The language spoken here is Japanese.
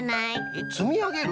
えっつみあげる？